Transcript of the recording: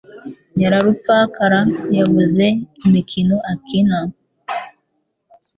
Nyararupfakara yabuze imikino akina